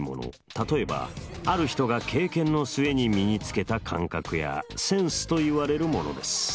例えばある人が経験の末に身につけた感覚やセンスといわれるものです。